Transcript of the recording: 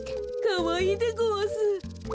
かわいいでごわす。